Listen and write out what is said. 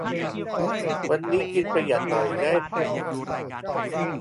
วันนี้กินประหยัดหน่อยได้ไหม